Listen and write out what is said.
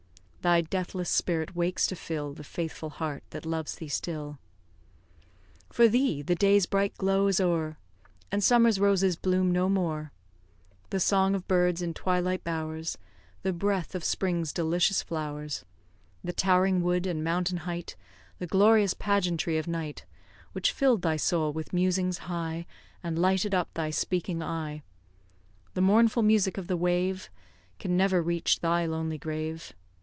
Thy deathless spirit wakes to fill The faithful heart that loves thee still. For thee the day's bright glow is o'er, And summer's roses bloom no more; The song of birds in twilight bowers, The breath of spring's delicious flowers, The towering wood and mountain height, The glorious pageantry of night; Which fill'd thy soul with musings high, And lighted up thy speaking eye; The mournful music of the wave Can never reach thy lonely grave.